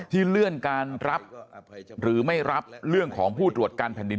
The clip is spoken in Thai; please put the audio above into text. เลื่อนการรับหรือไม่รับเรื่องของผู้ตรวจการแผ่นดิน